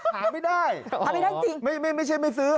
หาไม่ได้ไม่ใช่ไม่ซื้อ